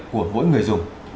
của mỗi người dân